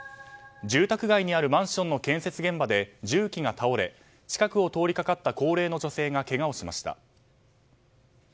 住宅街にあるマンションの建設現場で重機が倒れ近くを通りかかった高齢の女性がけがをしました。